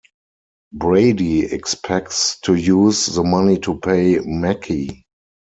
Brady expects to use the money to pay Mackey.